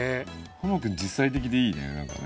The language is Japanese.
ハマ君実際的でいいねなんかね。